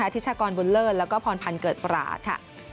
ธิชากรบุญเลิศแล้วก็พรพันธ์เกิดปราศค่ะ